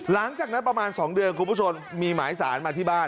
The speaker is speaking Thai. หลังจากนั้นประมาณ๒เดือนคุณผู้ชมมีหมายสารมาที่บ้าน